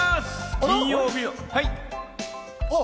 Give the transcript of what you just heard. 金曜日の。